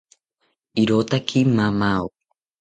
Irotaki mamao